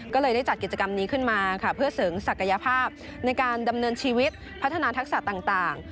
ก็เลยได้จัดกิจกรรมนี้ขึ้นมาค่ะเพื่อเสริมศักยภาพในการดำเนินชีวิตพัฒนาทักษะต่าง